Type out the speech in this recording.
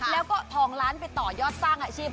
แล้วก็ทองล้านไปต่อยอดสร้างอาชีพ